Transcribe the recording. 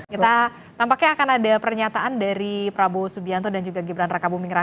kita tampaknya akan ada pernyataan dari prabowo subianto dan juga gimbran rakabumingra